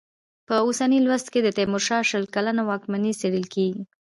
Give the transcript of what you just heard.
په اوسني لوست کې د تېمورشاه شل کلنه واکمني څېړل کېږي.